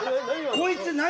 こいつ何？